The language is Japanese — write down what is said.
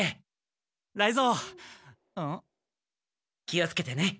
気をつけてね。